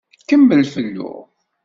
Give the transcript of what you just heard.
Kemmel fellu.